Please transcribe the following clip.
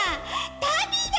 たびだ！